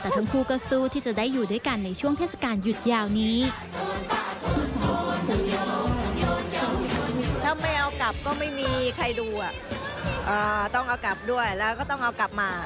อ๋อต้องเอากลับด้วยแล้วก็ต้องเอากลับมา